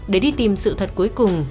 để đi tìm sự thật cuối cùng